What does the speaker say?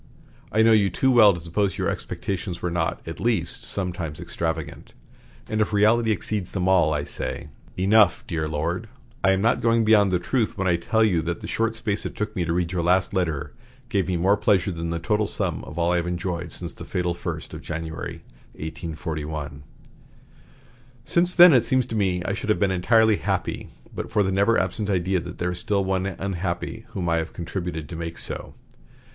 I know you too well to suppose your expectations were not, at least, sometimes extravagant; and if the reality exceeds them all, I say, Enough, dear Lord. I am not going beyond the truth when I tell you that the short space it took me to read your last letter gave me more pleasure than the total sum of all I have enjoyed since the fatal first of January, 1841. Since then it seems to me I should have been entirely happy, but for the never absent idea that there is one still unhappy whom I have contributed to make so.